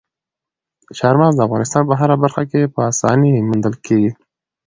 چار مغز د افغانستان په هره برخه کې په اسانۍ موندل کېږي.